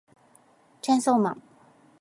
チェーンソーマン